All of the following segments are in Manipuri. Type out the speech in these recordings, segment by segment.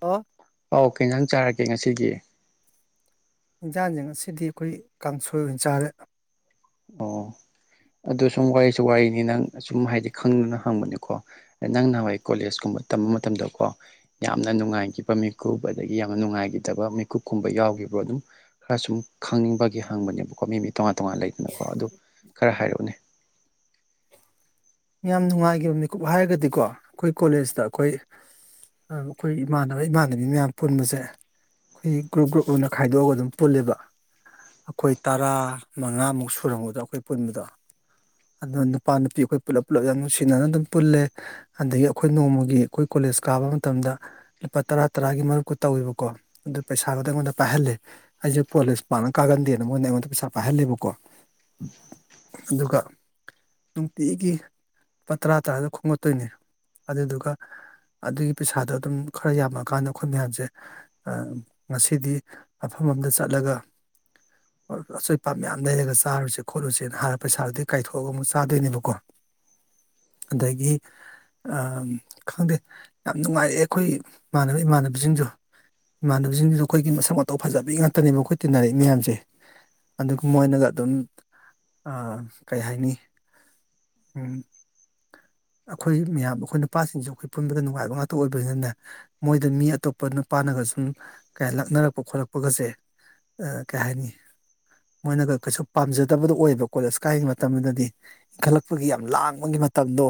ꯑꯣ ꯑꯧ ꯀꯩ ꯏꯟꯖꯥꯡ ꯆꯥꯔꯛꯀꯦ ꯉꯁꯤꯗꯤ ꯏꯟꯖꯥꯡꯖꯦ ꯉꯁꯤꯗꯤ ꯑꯩꯈꯣꯏ ꯀꯥꯡꯁꯣꯏ ꯑꯣꯏꯅ ꯆꯥꯔꯦ ꯑꯣ ꯑꯗꯨ ꯁꯨꯝ ꯋꯥꯔꯤꯁꯨ ꯋꯥꯔꯤꯅꯤ ꯅꯪ ꯑꯁꯨꯝ ꯍꯥꯏꯗꯤ ꯈꯪꯅꯤꯡꯗꯨꯅ ꯍꯪꯕꯅꯤꯀꯣ ꯅꯪ ꯅꯍꯥꯟꯋꯥꯏ ꯀꯣꯂꯦꯖꯀꯨꯝꯕ ꯇꯝꯕ ꯃꯇꯝꯗꯀꯣ ꯌꯥꯝꯅ ꯅꯨꯡꯉꯥꯏꯒꯤꯕ ꯃꯤꯀꯨꯞ ꯑꯗꯒꯤ ꯌꯥꯝꯅ ꯅꯨꯡꯉꯥꯏꯒꯤꯗꯕ ꯃꯤꯀꯨꯞꯀꯨꯝꯕ ꯌꯥꯎꯒꯤꯕ꯭ꯔꯣ ꯑꯗꯨꯝ꯫ ꯈꯔ ꯁꯨꯝ ꯈꯪꯅꯤꯡꯕꯒꯤ ꯍꯪꯕꯅꯦꯕꯀꯣ ꯃꯤ ꯃꯤ ꯇꯣꯉꯥꯟ ꯇꯣꯉꯥꯟ ꯂꯩꯗꯅꯀꯣ ꯑꯗꯨ ꯈꯔ ꯍꯥꯏꯔꯛꯎꯅꯦ ꯌꯥꯝ ꯅꯨꯡꯉꯥꯏꯈꯤꯕ ꯃꯤꯀꯨꯞ ꯍꯥꯏꯔꯒꯗꯤꯀꯣ ꯑꯩꯈꯣꯏ ꯀꯣꯂꯦꯖꯇ ꯑꯩꯈꯣꯏ ꯑꯩꯈꯣꯏ ꯏꯃꯥꯟꯅꯕ ꯏꯃꯥꯟꯅꯕꯤ ꯃꯌꯥꯝ ꯄꯨꯟꯕꯁꯦ ꯑꯩ ꯒ꯭ꯔꯨꯞ ꯒ꯭ꯔꯨꯞ ꯑꯣꯏꯅ ꯈꯥꯏꯗꯣꯛꯑꯒ ꯑꯗꯨꯝ ꯄꯨꯜꯂꯦꯕ ꯑꯩꯈꯣꯏ ꯇꯔꯥ ꯃꯉꯥꯃꯨꯛ ꯁꯨꯔꯝꯒꯗꯣ ꯑꯩꯈꯣꯏ ꯄꯨꯟꯕꯗꯣ ꯑꯗ ꯅꯨꯄꯥ ꯅꯨꯄꯤ ꯑꯩꯈꯣꯏ ꯄꯨꯂꯞ ꯄꯨꯂꯞ ꯌꯥꯝ ꯅꯨꯡꯁꯤꯅ ꯑꯗꯨꯝ ꯄꯨꯜꯂꯦ꯫ ꯑꯗꯒꯤ ꯑꯩꯈꯣꯏ ꯅꯣꯡꯃꯒꯤ ꯑꯩꯈꯣꯏ ꯀꯣꯂꯦꯖ ꯀꯥꯕ ꯃꯇꯝꯗ ꯂꯨꯄꯥ ꯇꯔꯥ ꯇꯔꯥꯒꯤ ꯃꯔꯨꯞꯀ ꯇꯧꯋꯦꯕꯀꯣ ꯑꯗꯨ ꯄꯩꯁꯥꯒꯗꯣ ꯑꯩꯉꯣꯟꯗ ꯄꯥꯏꯍꯜꯂꯦ꯫ ꯑꯩꯁꯦ ꯀꯣꯂꯦꯁ ꯄꯥꯛꯅ ꯀꯥꯒꯟꯗꯦꯅ ꯃꫭꯏꯅ ꯑꯩꯉꯣꯟꯗ ꯄꯩꯁꯥ ꯄꯥꯏꯍꯜꯂꯦꯕꯀꯣ꯫ ꯑꯗꯨꯒ ꯅꯨꯡꯇꯤꯒꯤ꯫ ꯂꯨꯄꯥ ꯇꯔꯥ ꯇꯔꯥꯗ ꯈꯣꯝꯒꯠꯇꯣꯏꯅꯦ ꯑꯗꯨꯗꯨꯒ ꯑꯗꯨꯒꯤ ꯄꯩꯁꯥꯗꯣ ꯑꯗꯨꯝ ꯈꯔ ꯌꯥꯝꯃꯛꯀꯥꯟꯗ ꯑꯩꯈꯣꯏ ꯃꯌꯥꯝꯁꯦ ꯑ ꯉꯁꯤꯗꯤ ꯃꯐꯝ ꯑꯝꯗ ꯆꯠꯂꯒ ꯑꯆꯣꯏ ꯑꯄꯥꯠ ꯃꯌꯥꯝ ꯂꯩꯔꯒ ꯆꯥꯔꯨꯁꯦ ꯈꯣꯠꯂꯨꯁꯦꯅ ꯍꯥꯏꯔ ꯄꯩꯁꯥꯗꯨꯗꯤ ꯀꯥꯏꯊꯣꯛꯑꯒ ꯑꯃꯨꯛ ꯆꯥꯗꯣꯏꯅꯦꯕꯀꯣ꯫ ꯑꯗꯒꯤ꯫ ꯑꯝ ꯈꯪꯗꯦ ꯌꯥꯝ ꯅꯨꯡꯉꯥꯏꯔꯑꯦ ꯑꯈꯣꯏ ꯏꯃꯥꯟꯅꯕ ꯏꯃꯥꯟꯅꯕꯁꯤꯡꯖꯨ꯫ ꯏꯃꯥꯟꯅꯕꯁꯤꯡꯁꯨ ꯑꯩꯈꯣꯏꯒꯤ ꯃꯁꯛ ꯃꯇꯧ ꯐꯖꯕꯤ ꯉꯥꯛꯇꯅꯦꯕ ꯑꯩꯈꯣꯏ ꯇꯤꯟꯅꯔꯛꯏ ꯃꯌꯥꯝꯁꯦ꯫ ꯑꯗꯨꯒꯨꯝꯕ ꯑꯣꯏꯅꯒ ꯑꯗꯨꯝ ꯀꯩ ꯍꯥꯏꯅꯤ꯫ ꯎꯝ ꯑꯩꯈꯣꯏ ꯃꯌꯥꯝ ꯑꯩꯈꯣꯏ ꯅꯨꯄꯥꯁꯤꯡꯁꯨ ꯑꯩꯈꯣꯏ ꯄꯨꯟꯕꯗ ꯅꯨꯡꯉꯥꯏꯕ ꯉꯥꯛꯇ ꯑꯣꯏꯕꯅꯤꯅꯅꯦ꯫ ꯃꯣꯏꯗ ꯃꯤ ꯑꯇꯣꯞꯄ ꯅꯨꯄꯥꯥꯅꯒ ꯁꯨꯝ ꯀꯥꯌ ꯂꯛꯅꯔꯛꯄ ꯈꯣꯠꯂꯛꯄꯒꯁꯦ꯫ ꯑ ꯀꯩꯍꯥꯏꯅꯤ꯫ ꯃꯣꯏꯅꯒ ꯀꯩꯁꯨ ꯄꯥꯝꯖꯗꯕꯗꫭ ꯑꯣꯏꯕ ꯀꯣꯂꯦꯖ ꯀꯥꯏꯒꯤ ꯃꯇꯝꯗꯨꯗꯗꯤ ꯏꯪꯈꯠꯂꯛ ꯑꯩꯈꯣꯏꯒꯤ ꯌꯥꯝ ꯂꯥꯡꯕꯒꯤ ꯃꯇꯝꯗꯣ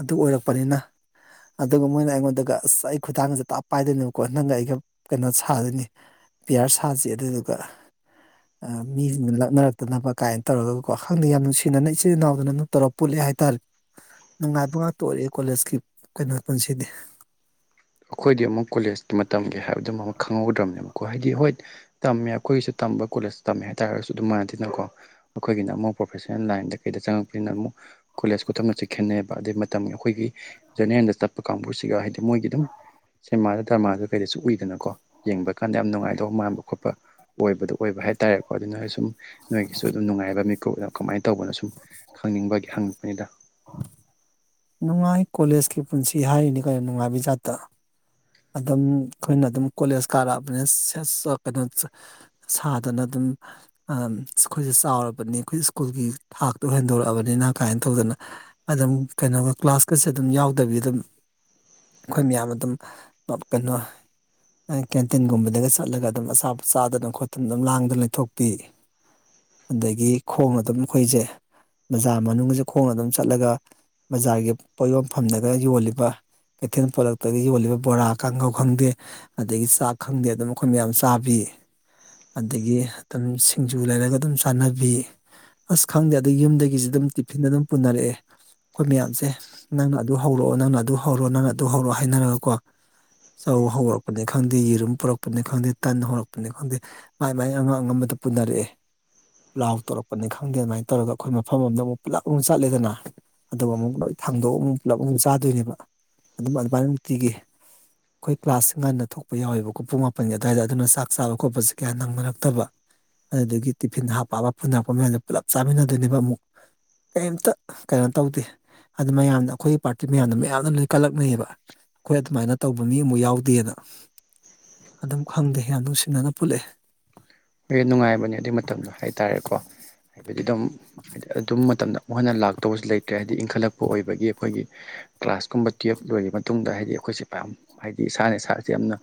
ꯑꯗꯨ ꯑꯣꯏꯔꯛꯄꯅꯤꯅ꯫ ꯑꯗꯨꯒ ꯃꯣꯏꯅ ꯑꯩꯉꯣꯟꯗꯒ ꯑꯁ ꯑꯩ ꯈꯨꯊꯥꯡꯁꯦ ꯇꯥꯞ ꯄꯥꯏꯗꯣꯏꯅꯦꯕꯀꯣ ꯅꯪꯒ ꯑꯩꯒ ꯀꯩꯅꯣ ꯁꯥꯗꯣꯏꯅꯤ ꯄꯤꯌꯥꯔ ꯁꯥꯁꯤ ꯑꯗꯨꯏꯗꯨꯒ ꯑꯥ ꯃꯤꯁꯤꯡꯅ ꯂꯞꯅꯔꯛꯇꯅꯕ ꯀꯥꯏꯅ ꯇꯧꯔꯒꯀꯣ ꯈꯪꯗꯦ ꯌꯥꯝ ꯅꯨꯡꯁꯤꯅ ꯏꯆꯤꯜ ꯏꯅꯥꯎꯗꯧꯅ ꯇꯧꯔ ꯄꯨꯠꯂꯦ ꯍꯥꯏꯇꯥꯔꯦ ꯅꯨꯡꯉꯥꯏꯕ ꯉꯥꯛꯇ ꯑꯣꯏꯔꯛꯑꯦ ꯀꯣꯂꯦꯖꯀꯤ ꯀꯩꯅꯣ ꯄꯨꯟꯁꯤꯗꯤ꯫ ꯑꯈꯣꯏꯗꯤ ꯑꯃꯨꯛ ꯀꯣꯂꯦꯖꯀꯤ ꯃꯇꯝꯒꯤ ꯍꯥꯏꯕꯗꯨꯃ ꯑꯃ ꯈꯪꯍꯧꯗ꯭ꯔꯕꯅꯦꯕꯀꯣ ꯍꯥꯏꯗꯤ ꯍꯣꯏ ꯇꯝꯃꯦ ꯑꯩꯈꯣꯏꯒꯤꯁꯨ ꯇꯝꯕ ꯀꯣꯂꯦꯖ ꯇꯝꯃꯦ ꯍꯥꯏꯇꯥꯔꯒꯁꯨ ꯑꯗꯨꯝ ꯃꯥꯟꯅꯗꯦꯅꯀꯣ ꯑꯩꯈꯣꯏꯒꯤꯅ ꯑꯃꯨꯛ ꯄ꯭ꯔꯣꯐꯦꯁꯅꯦꯜ ꯂꯥꯏꯟꯗ ꯀꯩꯗ ꯆꯪꯉꯛꯄꯅꯤꯅ ꯑꯃꯨꯛ ꯀꯣꯂꯦꯖ ꯈꯨꯇꯝ ꯒꯛꯁꯤ ꯈꯦꯠꯅꯩꯑꯕ ꯑꯗꯩ ꯃꯇꯝ ꯑꯩꯈꯣꯏꯒꯤ ꯖꯔꯅꯦꯜꯗ ꯆꯠꯄ ꯀꯥꯡꯕꯨꯁꯤꯒ ꯍꯥꯏꯗꯤ ꯃꯣꯏꯒꯤ ꯑꯗꯨꯝ ꯁꯦꯃꯥꯗ ꯗꯔꯃꯥꯗ ꯀꯩꯗꯁꯨ ꯎꯏꯗꯅꯀꯣ ꯌꯦꯡꯕ ꯀꯥꯟꯗ ꯌꯥꯝ ꯅꯨꯡꯉꯥꯏꯗꯧꯕ ꯃꯥꯟꯕ ꯈꯣꯠꯄ꯫ ꯑꯣꯏꯕꯗꯣ ꯑꯣꯏꯕ ꯍꯥꯏꯇꯥꯔꯦꯀꯣ ꯑꯗꯨꯅꯣꯏ ꯁꯨꯝ ꯅꯣꯏꯒꯤꯁꯨ ꯑꯗꯨꯝ ꯅꯨꯡꯉꯥꯏꯕ ꯃꯤꯀꯨꯞ ꯑꯗꫭ ꯀꯃꯥꯏꯅ ꯇꯧꯕꯅꯣ ꯁꯨꯝ ꯈꯪꯅꯤꯡꯕꯒꯤ ꯍꯪꯉꯛꯄꯅꯤꯗ꯫ ꯅꯨꯡꯉꯥꯏ ꯀꯣꯂꯦꯖꯀꯤ ꯄꯨꯟꯁꯤ ꯍꯥꯏꯔꯤꯅꯤ ꯀꯩꯅꫭ ꯅꯨꯡꯉꯥꯏꯕꯩ ꯖꯥꯠꯇ꯫ ꯑꯗꯨꯝ ꯑꯩꯈꯣꯏꯅ ꯑꯗꯨꯝ ꯀꯣꯂꯦꯖ ꯀꯥꯔꯛꯑꯕꯅꯦ [unintelligible] ꯁꯥꯗꯅ ꯑꯗꯨꯝ꯫ ꯑꯩꯈꯣꯏꯁꯦ ꯆꯥꯎꯔꯕꯅꯤ ꯑꯩꯈꯣꯏ ꯁ꯭ꯀꯨꯜꯒꯤ ꯊꯥꯛꯇꯣ ꯍꯦꯟꯗꯣꯔꯛꯑꯕꯅꯤꯅ ꯀꯥꯏꯅ ꯇꯧꯗꯅ ꯑꯗꯨꯝ ꯀꯩꯅꯣꯒ ꯀ꯭ꯂꯥꯁꯀꯁꯦ ꯑꯗꯨꯝ ꯌꯥꯎꯗꯕꯤ ꯑꯗꯨꯝ ꯑꯩꯈꯣꯏ ꯃꯌꯥꯝ ꯑꯗꯨꯝ ꯀꯩꯅꯣ꯫ ꯀꯦꯟꯇꯤꯟꯒꯨꯝꯕꯗꯒ ꯆꯠꯂꯒ ꯑꯗꯨꯝ ꯑꯆꯥꯄꯣꯠ ꯆꯥꯗꯅ ꯈꯣꯠꯇꯅ ꯑꯗꯨꯝ ꯂꯥꯡꯗꯨꯅ ꯂꯩꯊꯣꯛꯄꯤ꯫ ꯑꯗꯒꯤ ꯈꯣꯡꯅ ꯑꯗꯨꯝ ꯑꯩꯈꯣꯏꯁꯦ ꯕꯖꯥꯔ ꯃꯅꯨꯡꯁꯦ ꯈꯣꯡꯅ ꯑꯗꯨꯝ ꯆꯠꯂꯒ꯫ ꯕꯖꯥꯔꯒꯤ ꯄꯣꯠ ꯌꯣꯟꯐꯝꯗꯒ ꯌꯣꯜꯂꯤꯕ ꯀꯩꯊꯦꯜ ꯄꯣꯂꯛꯇꯒ ꯌꯣꯜꯂꯤꯕ ꯕꯣꯔꯥ ꯀꯥꯡꯍꯧ ꯈꯪꯗꯦ ꯑꯗꯒꯤ ꯆꯥꯛ ꯈꯪꯗꯦ ꯑꯗꯨꯝ ꯑꯩꯈꯣꯏ ꯃꯌꯥꯝ ꯆꯥꯕꯤ꯫ ꯑꯗꯒꯤ ꯑꯗꯨꯝ ꯁꯤꯡꯖꯨ ꯂꯩꯔꯒ ꯑꯗꯨꯝ ꯆꯥꯅꯕꯤ꯫ ꯑꯁ ꯈꯪꯗꯦ ꯑꯗꯨ ꯌꯨꯝꯗꯒꯤꯁꯨ ꯑꯗꯨꯝ ꯇꯤꯐꯤꯟ ꯑꯗꯨꯝ ꯄꯨꯅꯔꯛꯑꯦ꯫ ꯑꯩꯈꯣꯏ ꯃꯌꯥꯝꯁꯦ ꯅꯪꯅ ꯑꯗꯨ ꯍꯧꯔꯛꯑꯣ ꯅꯪꯅ ꯑꯗꯨ ꯍꯧꯔꯣ ꯅꯪꯅ ꯑꯗꯨ ꯍꯧꯔꯛꯑꯣ ꯍꯥꯏꯅꯔꯒꯀꯣ꯫ ꯆꯧ ꯍꯧꯔꯛꯄꯅꯤ ꯈꯪꯗꯦ ꯌꯦꯔꯨꯝ ꯄꯨꯔꯛꯄꯅꯤ ꯈꯪꯗꯦ ꯇꯟ ꯍꯧꯔꯛꯄꯅꯤ ꯈꯪꯗꯦ꯫ ꯃꯥꯏ ꯃꯥꯏ ꯑꯉꯝ ꯑꯉꯝꯕꯗꯨ ꯄꯨꯅꯔꯛꯑꯦ꯫ ꯄꯂꯥꯎ ꯇꯧꯔꯛꯄꯅꯤ ꯈꯪꯗꯦ ꯑꯗꯨꯃꯥꯏꯅ ꯇꯧꯔꯒ ꯑꯩꯈꯣꯏ ꯃꯐꯝ ꯑꯃꯗ ꯑꯃꯨꯛ ꯄꯨꯂꯞ ꯑꯃꯨꯛ ꯆꯠꯂꯦꯗꯅ꯫ ꯑꯗꯨꯒ ꯑꯃꯨꯛ ꯂꫭꯏ ꯊꯥꯡꯗꯣꯛꯑꯒ ꯑꯃꯨꯛ ꯄꯨꯂꯞ ꯑꯃꯨꯛ ꯆꯥꯗꯣꯏꯅꯦꯕ ꯑꯗꯨꯝ ꯑꯗꯨꯃꯥꯏꯅ ꯅꯨꯡꯇꯤꯒꯤ꯫ ꯑꯈꯣꯏ ꯀ꯭ꯂꯥꯁ ꯉꯟꯅ ꯊꯣꯛꯄ ꯌꯥꯎꯋꯦꯕꯀꯣ ꯄꯨꯡ ꯃꯥꯄꯟꯒꯤ ꯑꯗꯨꯋꯥꯏꯗ ꯑꯗꯨꯅ ꯆꯥꯛ ꯆꯥꯕ ꯈꯣꯠꯄꯁꯦ ꯀꯌꯥ ꯅꯪꯅꯔꯛꯇꯕ꯫ ꯑꯗꯒꯤ ꯇꯤꯐꯤꯟ ꯍꯥꯞꯄ ꯄꯕ ꯄꯨꯅꯔꯛꯄ ꯃꯌꯥꯝꯗꯣ ꯄꯨꯂꯞ ꯆꯥꯃꯤꯟꯅꯗꯣꯏꯅꯦꯕ ꯑꯃꯨꯛ꯫ ꯀꯩꯝꯇ ꯀꯩꯅꯣ ꯇꯧꯗꯦ꯫ ꯑꯗꯨ ꯃꯌꯥꯝꯅ ꯑꯈꯣꯏꯒꯤ ꯄꯥꯔꯇꯤ ꯃꯌꯥꯝꯅ ꯃꯌꯥꯝꯅ ꯂꯣꯏ ꯀꯜꯂꯛꯅꯩꯑꯕ ꯑꯈꯣꯏ ꯑꯗꯨꯃꯥꯏꯅ ꯇꯧꯕ ꯃꯤ ꯑꯃ ꯌꯥꯎꯗꯦꯅ ꯑꯗꯨꯝ ꯈꯪꯗꯦ ꯌꯥꯝ ꯅꯨꯡꯁꯤꯅꯅ ꯄꯨꯠꯂꯛꯑꯦ꯫ ꯍ ꯅꯨꯡꯉꯥꯏꯕꯅꯦ ꯑꯗꯨꯒꯤ ꯃꯇꯝꯗꯣ ꯍꯥꯏꯇꯥꯔꯦꯀꯣ ꯍꯥꯏꯕꯗꯤ ꯑꯗꯨꯝ ꯍꯥꯏꯗꯤ ꯑꯗꯨꯝ ꯃꯇꯝꯗꯣ ꯃꫭꯏꯅ ꯂꯥꯛꯇꯧꯕꯁꯨ ꯂꯩꯇ꯭ꯔꯦ ꯍꯥꯏꯗꯤ ꯏꯟꯈꯠꯂꯛꯄ ꯑꯣꯏꯕꯒꯤ ꯑꯩꯈꯣꯏꯒꯤ ꯀ꯭ꯂꯥꯁꯀꯨꯝꯕ ꯇꯨꯌꯦꯜꯞ ꯂꯣꯏꯔꯕ ꯃꯇꯨꯡꯗ ꯍꯥꯏꯗꯤ ꯑꯩꯈꯣꯏꯁꯦ ꯄ ꯍꯥꯏꯗꯤ ꯏꯁꯥꯅ ꯏꯁꯥꯁꯦ ꯌꯥꯝꯅ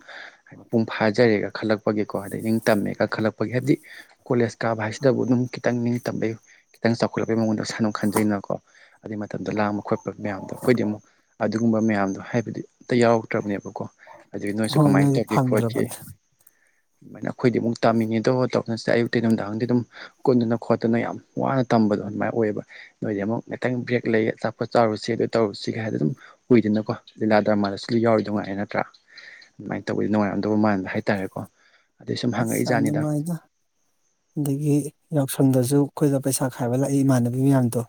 ꯍꯥꯏ ꯃꯄꯨꯡ ꯐꯥꯖꯔꯦꯒ ꯈꯜꯂꯛꯄꯒꯤꯀꯣ ꯑꯗꯩ ꯅꯤꯡ ꯇꯝꯃꯦꯒ ꯈꯜꯂꯛꯄ ꯈꫭꯏꯒꯤ ꯍꯥꯏꯕꯗꯤ ꯀꯣꯂꯦꯖ ꯀꯥꯕ ꯍꯥꯏꯁꯤꯗꯕꯨ ꯑꯗꯨꯝ ꯈꯤꯇꯪ ꯅꯤꯡꯇꯝꯕꯩ ꯈꯤꯇꯪ ꯆꯥꯎꯈꯠꯂꯛꯄꯩ ꯃꯉꯣꯟꯗ ꯁꯥꯟꯅꯝ ꯈꯟꯖꯩꯅꯀꯣ ꯑꯗꯨꯇꯩ ꯃꯇꯝꯗ ꯂꯑꯃꯨ ꯈꯣꯠꯄ ꯃꯌꯥꯝꯗꯣ ꯑꯩꯈꯣꯏꯗꯤ ꯑꯃꯨꯛ ꯑꯗꯨꯒꯨꯝꯕ ꯃꯌꯥꯝꯗꯣ ꯍꯥꯏꯕꯗꯤ ꯑꯝꯇ ꯌꯥꯎꯔꯛꯇ꯭ꯔꯕꯅꯦꯕꯀꯣ ꯑꯗꯨꯗꯤ ꯅꯣꯏꯁꯨ ꯍꯣꯏ ꯀꯃꯥꯏꯅ ꯅꯣꯏꯗꯤ ꯇꯧꯈꯤ ꯈꯣꯠꯈꯤ ꯐꯪꯗ꯭ꯔꯕꯅꯦ ꯑꯗꯨꯃꯥꯏꯅ ꯑꯩꯈꯣꯏꯗꯤ ꯑꯃꯨꯛ ꯇꯥꯅꯤꯡꯉꯤ ꯑꯇꯣꯞ ꯑꯇꯣꯞꯅꯁꯤꯗ ꯑꯌꯨꯛꯇꯤ ꯅꯨꯡꯗꯥꯡꯗꯤ ꯑꯗꯨꯝ ꯀꯨꯟꯗꯅ ꯈꯣꯠꯇꯅ ꯌꯥꯝ ꯋꯥꯅ ꯇꯝꯕꯗꯣ ꯑꯗꯨꯃꯥꯏꯅ ꯑꯣꯏꯌꯦꯕ ꯅꯣꯏꯗꯤ ꯑꯃꯨꯛ ꯈꯤꯇꯪ ꯕ꯭ꯔꯦꯛ ꯂꯩ ꯑꯆꯥꯄꯣꯠ ꯆꯥꯎꯔꯨꯁꯤ ꯑꯗꯨ ꯇꯧꯔꯨꯁꯤꯒ ꯍꯥꯏꯗ ꯗꯨꯝ ꯎꯏꯗꯅꯀꯣ ꯂꯤꯂꯥ ꯗ꯭ꯔꯃꯥꯗꯁꯨ ꯌꯥꯎꯔꯤꯗꯨꯉꯥꯏ ꯅꯠꯇ꯭ꯔꯥ ꯑꯗꯨꯃꯥꯏꯅ ꯇꯧꯕꯗꯤ ꯅꯨꯡꯉꯥꯏꯔꯝꯗꯕ ꯃꯥꯟꯕꯗ ꯍꯥꯏꯇꯥꯔꯦꯀꯣ ꯑꯗꯨꯩ ꯁꯨꯝ ꯍꯪꯉꯛꯏ ꯑꯁ ꯌꯥꯝ ꯖꯥꯠꯅꯤꯗ ꯅꯨꯡꯉꯥꯏꯗ ꯑꯗꯒꯤ ꯌꯥꯎꯁꯪꯗꯁꯨ ꯑꯩꯈꯣꯏꯗ ꯄꯩꯁꯥ ꯈꯥꯏꯕ ꯂꯥꯛꯏ ꯏꯃꯥꯟꯅꯕꯤ ꯃꯌꯥꯝꯗꯣ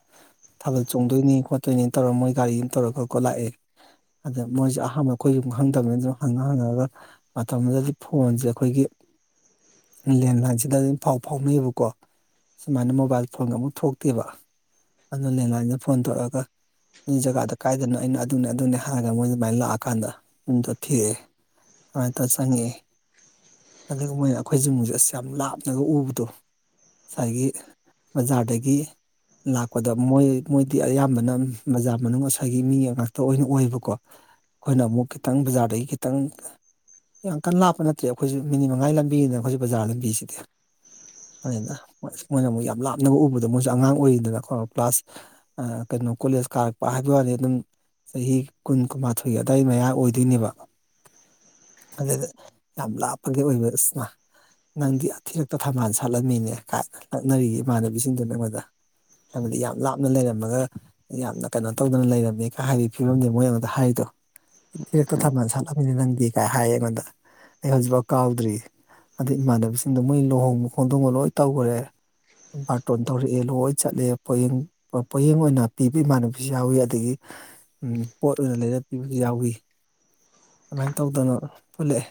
ꯊꯥꯕꯜ ꯆꯣꯡꯗꯣꯏꯅꯤ ꯈꯣꯠꯇꯣꯏꯅꯤ ꯇꯧꯔꯒ ꯃꯣꯏ ꯒꯥꯔꯤ ꯑꯃ ꯇꯧꯔ ꯈꯣꯀꯣ ꯂꯥꯛꯑꯦ꯫ ꯑꯗ ꯃꯣꯏꯁꯦ ꯑꯍꯥꯟꯕ ꯑꯩꯈꯣꯏꯒꯤ ꯌꯨꯝ ꯈꯪꯗꯕꯅꯤꯅ ꯑꯗꯨꯝ ꯍꯪꯉ ꯍꯪꯉꯒ ꯃꯇꯝꯗꯨꯗꯗꯤ ꯐꯣꯟꯁꯦ ꯑꯩꯈꯣꯏꯒꯤ ꯂꯦꯟꯂꯥꯏꯟꯁꯤꯗꯝ ꯐꯥꯎ ꯐꯥꯎꯅꯩꯑꯕꯀꯣ ꯁꯨꯃꯥꯏꯅ ꯃꯣꯕꯥꯏꯜ ꯐꯣꯟꯗ ꯑꯃꯨꯛ ꯊꯣꯛꯇꯦꯕ ꯑꯗꯨ ꯅꯦꯟꯅꯥꯏꯟꯗ ꯐꯣꯟ ꯇꯔꯛꯑꯒ ꯃꯤ ꯖꯒꯥꯗ ꯀꯥꯏꯗꯅꯣ ꯑꯩꯅ ꯑꯗꯨꯅꯦ ꯑꯗꯨꯅꯦ ꯍꯥꯏꯔꯒ ꯃꯣꯏ ꯑꯗꯨꯃꯥꯏꯅ ꯂꯥꯛꯑꯀꯥꯟꯗ ꯌꯗꯣ ꯊꯤꯔꯛꯑꯦ ꯑꯗꯨꯃꯥꯏꯅ ꯇꯧꯔ ꯆꯪꯉꯛꯑꯦ ꯑꯗꯨꯒ ꯃꯣꯏꯅ ꯑꯩꯈꯣꯏꯖꯤꯡꯁꯦ ꯑꯁ ꯌꯥꯝ ꯂꯥꯞ ꯑꯗꯨꯒ ꯎꯕꯗꯣ ꯉꯁꯥꯏꯒꯤ ꯕꯖꯥꯔꯗꯒꯤ ꯂꯥꯛꯄꯗ ꯃꯣꯏ ꯃꯣꯏꯗꯤ ꯑꯌꯥꯝꯕꯅ ꯕꯖꯥꯔ ꯃꯅꯨꯡ ꯉꯁꯥꯏꯒꯤ ꯃꯤ ꯉꯥꯛꯇ ꯑꯣꯏꯅ ꯑꯣꯏꯕꯀꯣ ꯑꯩꯈꯣꯏꯅ ꯑꯃꯨꯛ ꯈꯤꯇꯪ ꯕꯖꯥꯔꯗꯒꯤ ꯈꯤꯇꯪ ꯌꯥꯝ ꯀꯟꯅ ꯂꯥꯞꯄ ꯅꯠꯇ꯭ꯔꯦ ꯑꯩꯈꯣꯏꯁꯨ ꯃꯤꯅꯤꯠ ꯃꯉꯥꯏ ꯂꯝꯕꯤꯅꯤꯅ ꯑꯩꯈꯣꯏꯁꯨ ꯕꯖꯥꯔ ꯂꯝꯕꯤꯁꯤꯗꯤ [unintelligible] ꯃꯣꯏꯅ ꯑꯃꯨꯛ ꯂꯥꯞꯅꯕ ꯎꯕꯗꯣ ꯃꯣꯏꯁꯨ ꯑꯉꯥꯡ ꯑꯣꯏꯔꯤꯗꯅꯀꯣ ꯀ꯭ꯂꯥꯁ ꯑ ꯀꯩꯅꯣ ꯀꯣꯂꯦꯖ ꯀꯥꯔꯛꯄ ꯍꯥꯏꯕꯩꯋꯥꯅꯦ ꯑꯗꯨꯝ ꯆꯍꯤ ꯀꯨꯟ ꯀꯨꯟꯃꯥꯊꯣꯏꯒꯤ ꯑꯗ꯭ꯋꯥꯏ ꯃꯌꯥ ꯑꯣꯏꯗꯣꯏꯅꯦꯕ ꯑꯗꯨꯗ ꯌꯥꯝ ꯂꯥꯞꯄꯒꯤ ꯑꯣꯏꯕꯁꯅ ꯅꯪꯗꯤ ꯊꯤꯔꯛꯇ ꯊꯝꯕꯥꯜ ꯁꯥꯠꯂꯝꯃꯤꯅꯦ ꯀꯥꯏ ꯅꯛꯅꯔꯤ ꯏꯃꯥꯟꯅꯕꯤꯁꯤꯡꯗꯨ ꯅꯪꯉꯣꯟꯗ ꯍꯥꯏ ꯌꯥꯝ ꯂꯥꯞꯅ ꯂꯩꯔꯝꯃꯒ ꯌꯥꯝꯅ ꯀꯩꯅꯣ ꯇꯧꯗꯅ ꯂꯩꯔꯝꯃꯦ ꯍꯥꯏꯕꯒꯤ ꯐꯤꯕꯝꯅꯦ ꯃꯣꯏ ꯑꯩꯉꫭꯟꯗ ꯍꯥꯏꯔꯤꯗꯣ ꯁꯤꯤꯔꯦꯛꯇꯣ ꯊꯝꯃꯅ ꯁꯠꯂꯃꯤꯅꯤ ꯅꯪꯗꯤ ꯀꯥꯏ ꯍꯥꯏ ꯑꯩꯉꯣꯟꯗ ꯑꯩ ꯍꯧꯖꯤꯛꯐꯥꯎ ꯀꯥꯎꯗ꯭ꯔꯤ ꯑꯗꯨꯢ ꯏꯃꯥꯟꯅꯕꯁꯤꯡꯗ ꯃꯣꯏ ꯂꯨꯍꯣꯡꯕ ꯈꯣꯡꯗꯣꯡꯕ ꯂꯣꯏ ꯇꯧꯒ꯭ꯔꯦ꯫ ꯕꯥꯔꯇꯣꯟ ꯇꯧꯔꯛꯑꯦ ꯂꯣꯏ ꯆꯠꯂꯦ ꯄꯣꯌꯦꯡ ꯄꯣ ꯄꯣꯌꯦꯡ ꯑꯣꯏꯅ ꯄꯤꯕ ꯏꯃꯥꯟꯅꯕꯁꯨ ꯌꯥꯎꯋꯤ ꯑꯗꯒꯤ ꯄꯣꯠ ꯑꯣꯏꯅ ꯂꯩꯔꯒ ꯄꯤꯕꯁꯨ ꯌꯥꯎꯏ꯫ ꯑꯃꯥꯏ ꯇꯧꯗꯅ ꯄꯨꯜꯂꯛꯑꯦ꯫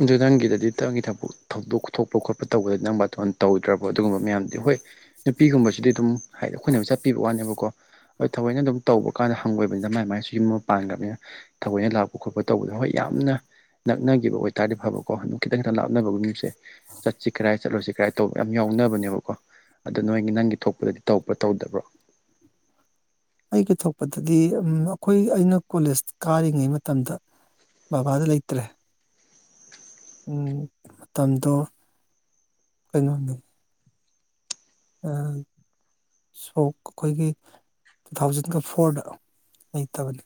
ꯑꯗꯨ ꯅꯪꯒꯤꯗꯗꯤ ꯅꯪꯒꯤ ꯊꯕꯛ ꯊꯧꯗꯣꯛ ꯊꯣꯛꯄ ꯈꯣꯠꯄ ꯇꯧꯕꯗꯗꯤ ꯅꯪ ꯕꯥꯇꯣꯟ ꯇꯧꯗ꯭ꯔꯕ ꯑꯗꯨꯒꯨꯝꯕ ꯃꯌꯥꯝꯗꯤ ꯍꯣꯏ ꯅꯨꯄꯤꯒꯨꯝꯕꯁꯤꯗꯤ ꯑꯗꯨꯝ ꯍꯥꯏꯗꯤ ꯑꯩꯈꯣꯏꯅ ꯆꯠꯄꯤꯕ ꯋꯥꯅꯦꯕꯀꯣ ꯍꯣꯏ ꯊꯑꯣꯏꯅ ꯑꯗꯨꯝ ꯇꯧꯕ ꯀꯥꯟꯗ ꯍꯪꯒꯣꯏꯕꯅꯤꯅ ꯃꯥꯏ ꯃꯥꯏꯁꯨ ꯌꯨꯝ ꯑꯃ ꯄꯥꯟꯈ꯭ꯔꯕꯅꯤꯅ ꯊꯑꯣꯏꯅ ꯂꯥꯛꯄ ꯈꯣꯠꯄ ꯇꯧꯕꯗ ꯍꯣꯏ ꯌꯥꯝꯅ ꯅꯛꯅꯈꯤꯕ ꯑꯣꯏ ꯇꯥꯔꯗꯤ ꯐꯕꯀꯣ ꯑꯗꯨꯝ ꯈꯤꯇꯪ ꯇ ꯂꯥꯞꯅꯕꯒ ꯌꯨꯝꯁꯦ ꯆꯠꯁꯤ ꯀꯔꯥꯏ ꯆꯠꯂꫭꯏꯁꯤ ꯀꯔꯥꯏ ꯇꯧꯕ ꯌꯥꯝ ꯌꯥꯎꯅꯕꯅꯦꯕ ꯀꯣ ꯑꯗꯣ ꯅꯣꯏꯒꯤ ꯅꯪꯒꯤ ꯊꯣꯛꯄꯗꯗꯤ ꯇꯧꯕ꯭ꯔꯥ ꯇꯧꯗꯕ꯭ꯔꯣ ꯑꯩꯒ ꯊꯣꯛꯄꯗꯗꯤ ꯑꯝ ꯑꯈꯣꯏ ꯑꯩꯅ ꯀꯣꯂꯦꯖ ꯀꯥꯔꯤꯉꯩ ꯃꯇꯝꯗ꯫ ꯕꯕꯥꯗꯤ ꯂꯩꯇ꯭ꯔꯦ꯫ ꯎꯝ ꯃꯇꯝꯗꯣ ꯀꯩꯅꯣꯅꯤ꯫ ꯎꯝ ꯁꯣꯛ ꯑꯩꯈꯣꯏꯒꯤ ꯇꯨ ꯊꯥꯎꯖꯟꯒ ꯐꯣꯔꯗ ꯂꯩꯇꯕꯅꯤ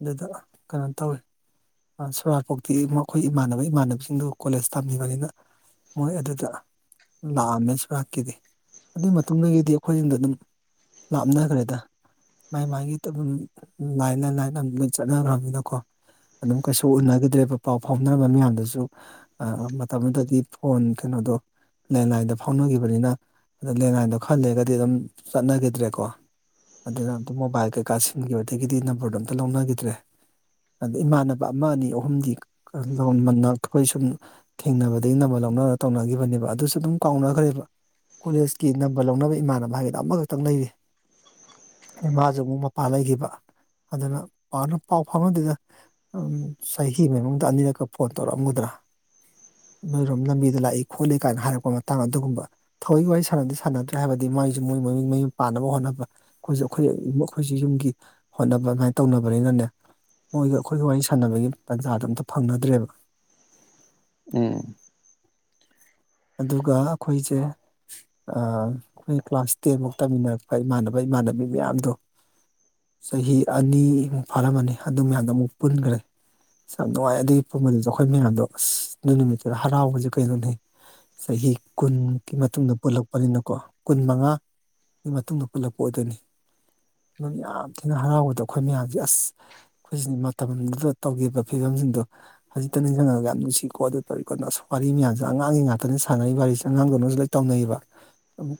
ꯑꯗꯨꯗ ꯀꯩꯅꯣ ꯇꯧꯋ ꯑ ꯁꯣꯔꯥꯠꯄꯣꯛꯇꯤ ꯃꯈꯣꯏ ꯏꯃꯥꯟꯅꯕ ꯏꯃꯥꯟꯅꯕꯁꯤꯡꯗꯨ ꯀꯣꯂꯦꯖ ꯇꯝꯃꯤꯕꯅꯤꯅ ꯃꯣꯏ ꯑꯗꯨꯗ ꯂꯥꯛꯑꯝꯃꯦ ꯁꯨꯔꯥꯛꯀꯤꯗꯤ ꯑꯗꯨꯒꯤ ꯃꯇꯨꯡꯗꯒꯤꯗꯤ ꯑꯩꯈꯣꯏꯁꯤꯡꯗꯣ ꯑꯗꯨꯝ ꯂꯥꯞꯅꯈ꯭ꯔꯦꯗ ꯃꯥꯏ ꯃꯥꯒꯤ ꯑꯗꯨꯝ ꯂꯥꯏꯟ ꯂꯥꯏꯟ ꯂꯣꯏ ꯆꯠꯅꯈ꯭ꯔꯕꯅꯤꯅꯀꯣ ꯑꯗꯨꯝ ꯀꯩꯁꯨ ꯎꯅꯒꯗ꯭ꯔꯦꯕ ꯄꯥꯎ ꯐꯥꯎꯅꯔꯝꯕ ꯃꯌꯥꯝꯗꯁꯨ ꯑ ꯃꯇꯝ ꯑꯗꯨꯗꯗꯤ ꯐꯣꯟ ꯀꯩꯅꯣꯗꯣ ꯂꯦꯟꯂꯥꯏꯟꯗ ꯐꯥꯎꯅꯈꯤꯕꯅꯤꯅ ꯑꯗ ꯂꯦꯟꯂꯥꯏꯟꯗꯣ ꯈꯔꯂꯩꯔꯒꯗꯤ ꯑꯗꯨꯝ ꯆꯠꯅꯈꯤꯗ꯭ꯔꯦꯀꯣ ꯑꯗꯨꯅ ꯑꯃꯨꯝ ꯃꯣꯕꯥꯏꯜ ꯀꯩꯀꯥ ꯁꯤꯟꯈꯤꯕꯗꯒꯤꯗꯤ ꯅꯝꯕꯔꯗꯣ ꯑꯝꯇ ꯂꯧꯅꯈꯤꯗ꯭ꯔꯦ ꯑꯗ ꯏꯃꯥꯟꯅꯕ ꯑꯃ ꯑꯅꯤ ꯑꯍꯨꯝꯗꯤ [unintelligible] ꯑꯩꯈꯣꯏ ꯁꯨꯝ ꯊꯦꯡꯅꯕꯗꯒꯤ ꯅꯝꯕꯔꯕ ꯂꯧꯅꯔ ꯇꯧꯅꯈꯤꯕꯅꯦꯕ ꯑꯗꯨꯁꯨ ꯑꯗꯨꯝ ꯀꯥꯎꯅꯈ꯭ꯔꯦꯕ ꯀꯣꯂꯦꯖꯀꯤ ꯅꯝꯕꯔ ꯂꯧꯅꯕ ꯏꯃꯥꯟꯅꯕ ꯍꯥꯏꯒꯗꯤ ꯑꯃꯈꯛꯇꯪ ꯂꯩꯔꯤ ꯑꯗꯩ ꯃꯥꯁꯨ ꯑꯃꯨꯛ ꯃꯄꯥꯥꯟ ꯂꯩꯒꯤꯕ ꯑꯗꯨꯅ ꯄꯥꯛꯅ ꯄꯥꯎ ꯐꯥꯎꯅꯗꯦꯗ ꯆꯍꯤ ꯑꯃꯒꯤ ꯃꯅꯨꯡꯗ ꯑꯅꯤꯔꯛꯀ ꯐꯣꯟ ꯇꯧꯔꯛ ꯑꯝꯒꯗ꯭ꯔꯥ ꯅꯣꯏꯔꯣꯝ ꯂꯝꯕꯤꯗ ꯂꯥꯛꯏ ꯈꯣꯠꯂꯤ ꯀꯥꯏꯅ ꯍꯥꯏꯔꯛꯄ ꯃꯇꯥꯡ ꯑꯗꯨꯒꯨꯝꯕ ꯊꯧꯋꯣꯏꯒꯤ ꯋꯥꯔꯤ ꯁꯥꯟꯅꯕꯗꯤ ꯁꯥꯟꯅꯗ꯭ꯔꯦ ꯍꯥꯏꯕꯗꯤ ꯃꯥꯏꯁꯨ ꯃꯣꯏ ꯃ ꯃꯌꯨꯝ ꯄꯥꯟꯅꯕ ꯍꯣꯠꯅꯕ ꯑꯩꯈꯣꯏꯁꯨ ꯑꯩꯈꯣꯏ ꯃꯈꯣꯏꯁꯨ ꯌꯨꯝꯒꯤ ꯍꯣꯠꯅꯕ ꯑꯗꯨꯃꯥꯏꯅ ꯇꯧꯅꯕꯅꯤꯅꯅꯦ ꯃꯣꯏꯒ ꯑꯩꯈꯣꯏꯒ ꯋꯥꯔꯤ ꯁꯥꯟꯅꯕꯒꯤ ꯇꯥꯟꯖꯥꯗꯣ ꯑꯝꯇ ꯐꯪꯅꯗ꯭ꯔꯦꯕꯥ ꯎꯝ ꯑꯗꯨꯒ ꯑꯩꯈꯣꯏꯁꯦ ꯑ ꯑꯩꯈꯣꯏ ꯀ꯭ꯂꯥꯁ ꯇꯦꯟꯃꯨꯛ ꯇꯝꯃꯤꯟꯅꯔꯛꯄ ꯏꯃꯥꯟꯅꯕ ꯏꯃꯥꯟꯅꯕꯤ ꯃꯌꯥꯝꯗꯣ ꯆꯍꯤ ꯑꯅꯤꯃꯨꯛ ꯐꯥꯜꯔꯝꯃꯅꯤ ꯑꯗꯨ ꯃꯌꯥꯝꯗꯣ ꯑꯃꯨꯛ ꯄꯨꯟꯈ꯭ꯔꯦ ꯑꯁ ꯌꯥꯝ ꯅꯨꯡꯉꯥꯏ ꯑꯗꯨꯒꯤ ꯄꯨꯟꯕꯗꯨꯁꯨ ꯑꯩꯈꯣꯏ ꯃꯌꯥꯝꯗꯣ ꯑꯁ ꯑꯗꯨꯏ ꯅꯨꯃꯤꯠꯇꯨꯗ ꯍꯔꯥꯎꯕꯁꯦ ꯀꯩꯅꫭꯅꯦ ꯆꯍꯤ ꯀꯨꯟꯃꯨꯛꯀꯤ ꯃꯇꯨꯡꯗ ꯄꯨꯜꯂꯛꯄꯅꯤꯅꯀꯣ ꯀꯨꯟ ꯃꯉꯥ ꯒꯤ ꯃꯇꯨꯡꯗ ꯄꯨꯜꯂꯛꯄ ꯑꯣꯏꯗꯣꯏꯅꯤ ꯑꯗꯨꯝ ꯌꯥꯝ ꯊꯤꯅ ꯍꯔꯥꯎꯕꯗ ꯑꯩꯈꯣꯏ ꯃꯌꯥꯝꯁꯦ ꯑꯁ ꯑꯩꯈꯣꯏꯁꯤꯅ ꯃꯇꯝꯗꯨꯗ ꯇꯧꯈꯤꯕ ꯐꯤꯕꯝꯁꯤꯡꯗꯣ ꯍꯧꯖꯤꯛꯇ ꯅꯤꯡꯖꯪꯉꯒ ꯌꯥꯝ ꯅꯨꯡꯁꯤꯀꯣ ꯑꯗꯨ ꯇꯧꯔꯤꯀꯣꯅ ꯋꯥꯔꯤ ꯃꯌꯥꯝꯁꯦ ꯑꯉꯥꯡꯒꯤ ꯉꯥꯛꯇꯅꯦ ꯁꯥꯟꯅꯔꯤꯕ ꯋꯥꯔꯤꯁꯦ ꯑꯉꯥꯡꯗꯧꯅꯁꯨ ꯂꯣꯢ ꯇꯧꯅꯩꯕ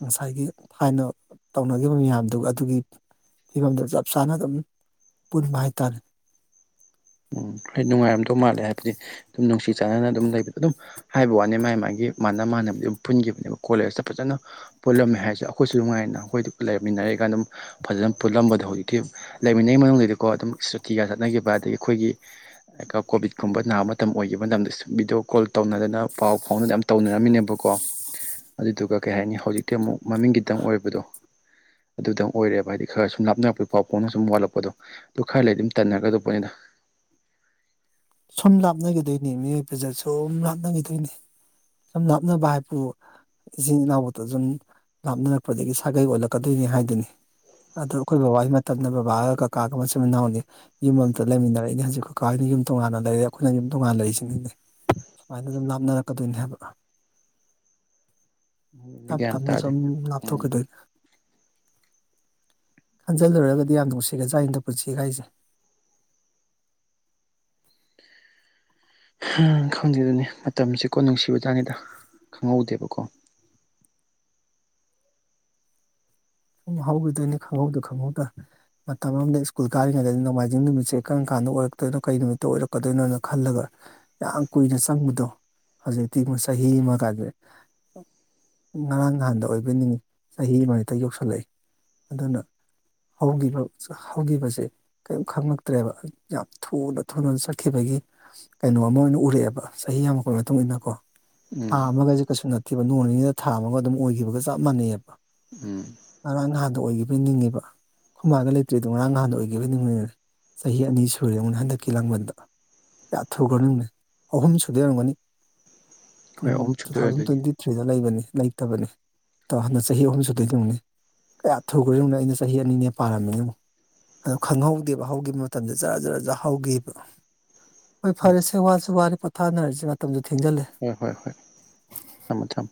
ꯉꯁꯥꯏꯒꯤ ꯊꯥꯏꯅ ꯇꯧꯅꯈꯤꯕ ꯃꯌꯥꯝꯗꯨ ꯑꯗꯨꯒꯤ ꯐꯤꯕꯝꯗ ꯆꯞ ꯆꯥꯅ ꯑꯗꯨꯝ ꯄꯨꯟꯕ ꯍꯥꯏꯇꯥꯔꯦ ꯎꯝ ꯍꯥꯏꯗꯤ ꯅꯨꯡꯉꯥꯏꯔꯝꯗꯧ ꯃꯥꯜꯂꯦ ꯍꯥꯏꯕꯗꯤ ꯑꯗꯨꯝ ꯅꯨꯡꯁꯤ ꯆꯥꯟꯅꯅ ꯑꯗꯨꯝ ꯂꯩꯕꯗꯨ ꯑꯗꯨꯝ ꯍꯥꯏꯕ ꯋꯥꯅꯦ ꯃꯥꯥꯏ ꯃꯥꯒꯤ ꯃꯥꯟꯅ ꯃꯥꯟꯅꯕꯗꯤ ꯑꯗꯨꯝ ꯄꯨꯟꯈꯤꯕꯅꯦꯕ ꯀꯣꯂꯦꯖꯇ ꯐꯖꯅ ꯄꯨꯜꯂꯝꯃꯦ ꯍꯥꯏꯁꯦ ꯑꯈꯣꯏꯁꯨ ꯅꯨꯡꯉꯥꯏꯅ ꯑꯩꯈꯣꯏꯗ ꯂꯩꯔꯃꯤꯟꯅꯔꯛ ꯏꯀꯥꯟ ꯗ ꯐꯖꯅ ꯄꯨꯜꯂꯝꯕꯗꯣ ꯍꯧꯖꯤꯛꯇꯤ ꯂꯩꯃꯤꯟꯅꯉꯩ ꯃꯅꯨꯡꯗꯗꯤꯀꯣ ꯑꯗꯨꯝ ꯁꯨꯇꯤꯒ ꯆꯠꯅꯈꯤꯕ ꯑꯗꯒꯤ ꯑꯩꯈꯣꯏꯒꯤ ꯀꯣꯚꯤꯠ ꯀꯨꯝꯕ ꯅꯥꯕ ꯃꯇꯝ ꯑꯣꯏꯈꯤꯕ ꯇꯝꯗꯁꯨ ꯚꯤꯗꯤꯑꯣ ꯀꯣꯜ ꯇꯧꯅꯗꯅ ꯄꯥꯎ ꯐꯥꯎꯅꯗꯅ ꯑ ꯇꯧꯅꯔꯝꯃꯤꯅꯦꯕꯀꯣ ꯑꯗꯨꯗꯨꯒ ꯀꯩ ꯍꯥꯏꯅꯤ ꯍꯧꯖꯤꯛꯇꯤ ꯑꯃꯨꯛ ꯃꯃꯤꯡꯒꯤꯈꯤꯇꯪ ꯑꯣꯏꯕꯗꯣ ꯑꯗꯨꯗꯪ ꯑꯣꯏꯔꯦꯕ ꯍꯥꯏꯗꯤ ꯈꯔ ꯁꯨꯝ ꯂꯥꯞꯅꯔꯛꯄꯒꯤ ꯄꯥꯎ ꯐꯥꯎꯅ ꯁꯨꯝ ꯋꯥꯠꯂꯛꯄꯗꯣ ꯗꯨ ꯈꯔ ꯂꯩꯗꯤ ꯑꯗꯨꯝ ꯇꯟꯅꯒ꯭ꯔꯗꯧꯕꯅꯤꯗ ꯁꯨꯝ ꯂꯥꯞꯅꯒꯤꯗꯣꯏꯅꯤ ꯃꯤꯑꯣꯏꯕꯖꯦ ꯁꯨꯝ ꯂꯥꯞꯅꯒꯤꯗꯣꯏꯅꯤ ꯁꯨꯝ ꯂꯥꯞꯅꯕ ꯍꯥꯏꯕꯨ ꯏꯆꯤꯟ ꯏꯅꯥꯎꯕꯧꯇꯖꯨꯅꯤ ꯂꯥꯞꯅꯔꯛꯄꯗꯒꯤ ꯁꯥꯒꯩ ꯑꯣꯜꯂꯛꯀꯗꯣꯏꯅꯤ ꯍꯥꯏꯗꯨꯅꯤ ꯑꯗꯣ ꯑꯩꯈꯣꯏ ꯕꯕꯥꯒꯤ ꯃꯇꯝꯗ ꯕꯕꯥꯒ ꯀꯀꯥꯒ ꯃꯆꯤꯟ ꯃꯅꯥꯎꯅꯤ ꯌꯨꯝ ꯑꯝꯇ ꯂꯩꯃꯤꯟꯅꯔꯛꯏꯅꯦ ꯍꯧꯖꯤꯛ ꯀꯀꯥ ꯍꫭꯏꯅ ꯌꯨꯝ ꯇꯣꯉꯥꯟꯅ ꯂꯩꯔꯦ ꯑꯩꯈꯣꯏꯅ ꯑꯗꯨꯝ ꯇꯣꯉꯥꯟꯅ ꯂꯩꯔꯤꯏꯁꯤꯅꯤꯅꯦ ꯁꯨꯃꯥꯏꯅ ꯑꯗꯨꯝ ꯂꯥꯞꯅꯔꯛꯀꯗꯣꯏꯅꯦ ꯍꯥꯏꯕ [inaudible] ꯊꯞ ꯒ꯭ꯌꯥꯟ ꯊꯞꯅ ꯇꯥꯗꯦ ꯁꯨꯝ ꯂꯥꯞ ꯎꯝ ꯊꯣꯛꯀꯤꯗꯣꯏꯅꯤ ꯍꯟꯖꯤꯜꯂꯨꯔꯒꯗꯤ ꯌꯥꯝ ꯅꯨꯡꯁꯤꯒꯖꯥꯅꯤꯗ ꯄꯨꯟꯁꯤꯒꯥꯏꯁꯦ ꯍꯝ ꯈꯪꯗꯦꯗꯨꯅꯦ ꯃꯇꯝꯁꯦꯀꯣ ꯅꯨꯡꯁꯤꯕꯖꯥꯅꯤꯗ ꯈꯪꯍꯧꯗꯦꯕꯀꯣ ꯁꯨꯝ ꯍꯧꯈꯤꯗꯣꯏꯅꯤ ꯈꯪꯍꯧꯗ ꯈꯪꯍꯧꯗ ꯃꯇꯝ ꯑꯃꯗ ꯁ꯭ꯀꯨꯜ ꯀꯥꯔꯤꯉꯩꯗꯗꯤ ꯅꯣꯡꯃꯥꯏꯖꯤꯡ ꯅꯨꯃꯤꯠꯁꯦ ꯀꯔꯝ ꯀꯥꯟꯗ ꯑꯣꯏꯔꯛꯇꯣꯏꯅꯣ ꯀꯔꯤ ꯅꯨꯃꯤꯠꯇ ꯑꯣꯏꯔꯛꯀꯗꯣꯏꯅꯣꯅ ꯈꯜꯂꯒ ꯌꯥꯝ ꯀꯨꯏꯅ ꯆꯪꯕꯗꯣ ꯍꯧꯖꯤꯛꯇꯤꯃꯨ ꯆꯍꯤ ꯑꯃ ꯀꯥꯏꯁꯦ ꯉꯔꯥꯡ ꯅꯍꯥꯟꯗ ꯑꯣꯏꯕꯩ ꯅꯤꯡꯉꯤ ꯆꯍꯤ ꯑꯃꯅꯤꯇ ꯌꯧꯁꯜꯂꯛꯏ ꯑꯗꯨꯅ ꯍꯧꯒꯤꯕ ꯍꯧꯒꯤꯕꯖꯦ꯫ ꯀꯔꯤꯝ ꯈꯪꯉꯛꯇ꯭ꯔꯦꯕ ꯌꯥꯝ ꯊꯨꯅ ꯊꯨꯅ ꯆꯠꯈꯤꯕꯒꯤ ꯀꯩꯅꯣ ꯑꯃ ꯑꯣꯏꯅ ꯎꯔꯛꯑꯦꯕ ꯆꯍꯤ ꯌꯥꯝꯃꯛꯄꯩ ꯃꯇꯨꯡ ꯏꯟꯅ ꯀꯣ ꯊꯥ ꯎꯝ ꯑꯃꯒꯁꯦ ꯀꯩꯁꯨ ꯅꯠꯇꯦꯕ ꯅꯣꯡ ꯅꯤꯅꯤꯗ ꯊꯥ ꯑꯃꯒ ꯑꯗꯨꯝ ꯑꯣꯏꯈꯤꯕꯒ ꯆꯞ ꯃꯥꯟꯅꯩꯑꯕ꯫ ꯎꯝ ꯉꯔꯥꯡ ꯅꯍꯥꯟꯗ ꯑꯣꯏꯈꯤꯕꯒꯤ ꯅꯤꯡꯉꯦꯕ ꯍꯃꯥꯒ ꯂꯩꯇ꯭ꯔꯦꯗꯣ ꯉꯔꯥꯡ ꯅꯍꯥꯟꯗ ꯑꯣꯏꯈꯤꯕꯅꯤ ꯆꯍꯤ ꯑꯅꯤ ꯁꯨꯔꯦ ꯑꯃꯛꯅ ꯍꯟꯗꯛꯀꯤ ꯂꯥꯡꯕꯟꯗ ꯀꯌꯥ ꯊꯨꯈ꯭ꯔꯅꫭ ꯌꯦꯡꯉꯨꯅꯦ ꯑꯍꯨꯝ ꯁꯨꯗꯩ ꯑꯣꯏꯔꯝꯒꯅꯤ ꯍꯣꯏ ꯎꯝ ꯑꯍꯨꯝ ꯇꯨ ꯁꯨꯗꯣꯏꯔꯦ ꯊꯥꯎꯖꯟ ꯑꯗꯨꯗꯤ ꯇ꯭ꯋꯦꯟꯇꯤ ꯁꯗ ꯂꯩꯕꯅꯤ ꯂꯩꯇꯕꯅꯤ ꯍꯟꯗ ꯆꯍꯤ ꯑꯍꯨꯝ ꯁꯨꯗꯣꯏꯗꯨꯝꯅꯤ ꯀꯌꯥ ꯊꯨꯒ꯭ꯔꯦ ꯌꯦꯡꯉꯨꯅꯦ ꯑꯩꯅ ꯆꯍꯤ ꯑꯅꯤꯅꯦ ꯄꯥꯔꯝꯃꯤꯅꯦ ꯌꯦꯡꯎ ꯑꯗꯨꯣ ꯈꯪꯍꯧꯗꯦꯕ ꯍꯧꯈꯤꯕ ꯃꯇꯝꯗ ꯖꯔꯥ ꯖꯔ ꯖꯥꯔ ꯍꯧꯈꯤꯕ ꯍꯣꯏ ꯎꯝ ꯐꯔꯦ ꯁꯦ ꯋꯥꯁꯨ ꯋꯥꯔꯤꯔ ꯄꯣꯊꯥꯅꯔꯤꯁꯦ ꯃꯇꯝꯁꯨ ꯊꯦꯡꯖꯜꯂꯦ ꯍꯣꯏ ꯍꯣꯏ ꯍꯣꯏ ꯊꯝꯃꯣ ꯊꯝꯃꯣ꯫